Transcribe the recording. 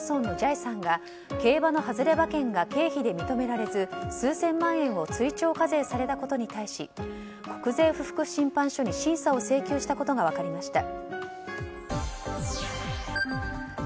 いさんが、競馬の外れ馬券が経費で認められず数千万円を追徴課税されたことに国税不服審判所に審査を請求したことが分かりました。